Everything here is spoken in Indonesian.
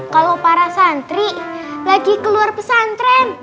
kalau para santri lagi keluar pesantren